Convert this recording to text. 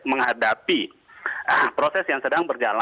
menghadapi proses yang sedang berjalan di elit